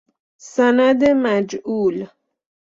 سند مجعول